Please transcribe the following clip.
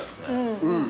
うん。